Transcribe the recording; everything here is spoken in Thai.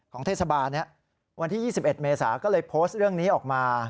เทศบาลวันที่๒๑เมษาก็เลยโพสต์เรื่องนี้ออกมา